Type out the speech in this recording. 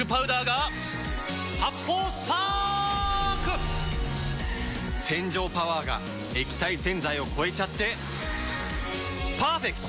発泡スパーク‼洗浄パワーが液体洗剤を超えちゃってパーフェクト！